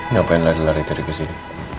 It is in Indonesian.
ngapain lari lari lari ke sini